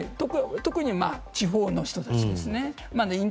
特に地方の人たちですね。